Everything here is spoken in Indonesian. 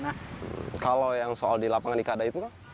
nah kalau yang soal di lapangan ikada itu